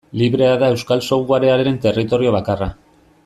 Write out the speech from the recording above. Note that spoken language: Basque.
Librea da euskal softwarearen territorio bakarra.